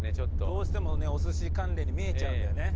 どうしてもねお寿司関連に見えちゃうんだよね。